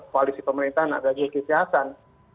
koalisi pemerintahan ada zulkifli hasan